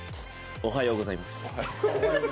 おはようございます。